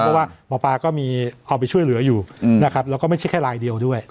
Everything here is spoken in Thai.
เพราะว่าหมอปลาก็มีความไปช่วยเหลืออยู่นะครับแล้วก็ไม่ใช่แค่ลายเดียวด้วย